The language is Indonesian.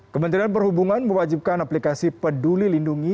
kementerian perhubungan mewajibkan aplikasi peduli lindungi